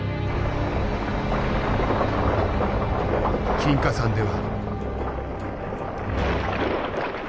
金華山では。